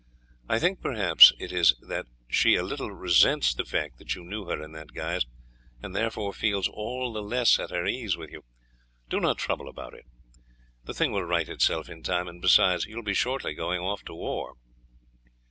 I think, perhaps, it is that she a little resents the fact that you knew her in that guise, and therefore feels all the less at her ease with you. Do not trouble about it, the thing will right itself in time; and besides, you will shortly be going off to the war."